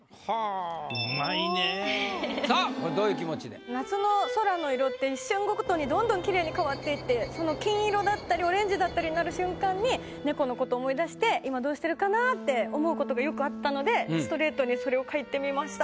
さあこれどういう気持ちで？って一瞬ごとにどんどんキレイに変わっていってその金色だったりオレンジだったりになる瞬間に猫のことを思い出してって思うことがよくあったのでストレートにそれを書いてみました。